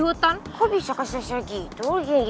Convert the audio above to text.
bukan ini yang aku mau